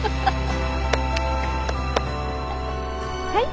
はい。